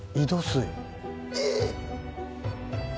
えっ！